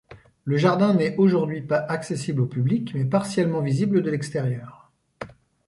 Le jardin n'est aujourd'hui pas accessible au public mais partiellement visible de l'extérieur.